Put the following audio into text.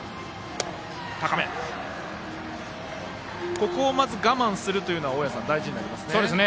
ここをまず我慢するというのが大矢さん大事になりますね。